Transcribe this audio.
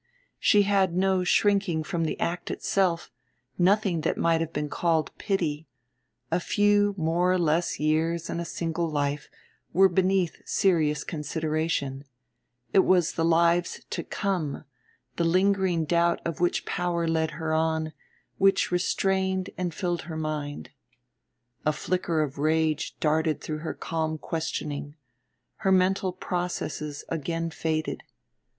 She had no shrinking from the act itself, nothing that might have been called pity, a few more or less years in a single life were beneath serious consideration; it was the lives to come, the lingering doubt of which power led her on, which restrained and filled her mind. A flicker of rage darted through her calm questioning; her mental processes again faded.